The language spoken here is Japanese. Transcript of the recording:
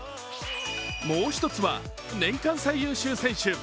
もう一つは年間最優秀選手。